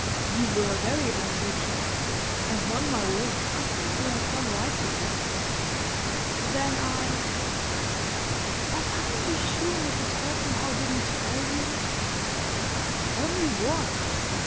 "You were very angry, child; and on my word I think you had some right to be." "Then I—but aren't you sure Mr. Torpenhow didn't tell you?" "Tell me what?